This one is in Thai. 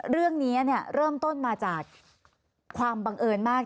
เรื่องนี้เริ่มต้นมาจากความบังเอิญมาก